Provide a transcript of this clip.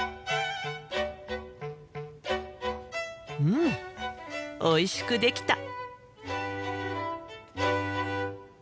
うんおいしくできた。